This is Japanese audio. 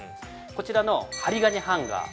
こちらの針金ハンガー